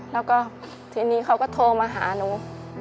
แล้วก็ทีนี้เขาก็โทรมาหาหนู